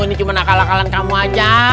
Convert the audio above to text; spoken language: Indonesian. ini cuma akal akalan kamu aja